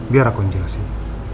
biar aku jelasin